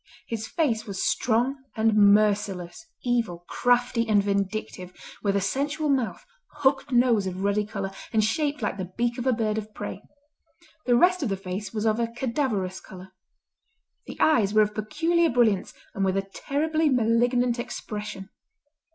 His face was strong and merciless, evil, crafty, and vindictive, with a sensual mouth, hooked nose of ruddy colour, and shaped like the beak of a bird of prey. The rest of the face was of a cadaverous colour. The eyes were of peculiar brilliance and with a terribly malignant expression.